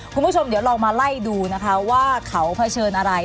คุณผู้ชมเดี๋ยวลองมาไล่ดูนะคะว่าเขาเผชิญอะไร